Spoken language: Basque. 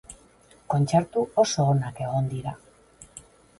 Kontzertu oso onak egon dira.